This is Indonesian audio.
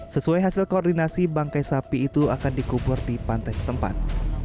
sesuai hasil koordinasi bangkai sapi itu akan dikubur di pantai setempat